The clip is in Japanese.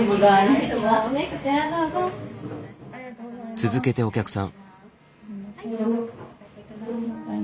続けてお客さん。